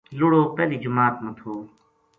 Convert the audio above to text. لُڑو پہلی جماعت ما تھو